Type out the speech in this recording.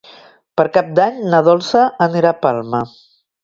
Per Cap d'Any na Dolça anirà a Palma.